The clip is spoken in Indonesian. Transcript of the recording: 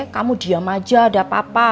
kamu diam aja ada papa